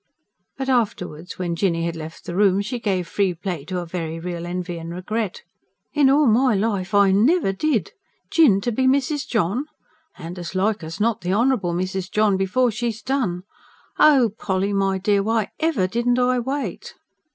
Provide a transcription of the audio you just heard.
But afterwards, when Jinny had left the room, she gave free play to a very real envy and regret. "In all my life I never did! Jinn to be Mrs. John! ... and, as like as not, the Honourable Mrs. John before she's done. Oh, Polly, my dear, why EVER didn't I wait!"